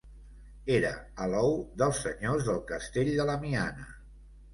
Era alou dels senyors del castell de La Miana.